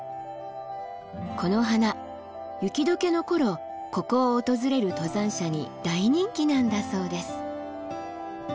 この花雪解けの頃ここを訪れる登山者に大人気なんだそうです。